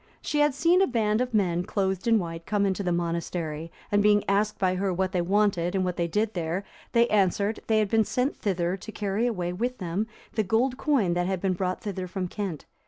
She had seen a band of men, clothed in white, come into the monastery, and being asked by her what they wanted, and what they did there, they answered, "They had been sent thither to carry away with them the gold coin that had been brought thither from Kent."